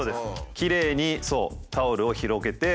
きれいにそうタオルを広げて。